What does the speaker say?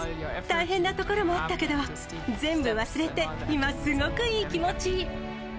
大変なところもあったけど、全部忘れて、今、すごくいい気持ち。